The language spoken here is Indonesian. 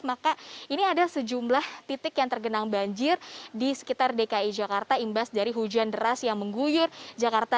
maka ini ada sejumlah titik yang tergenang banjir di sekitar dki jakarta imbas dari hujan deras yang mengguyur jakarta